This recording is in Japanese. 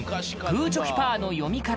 グーチョキパーの読み方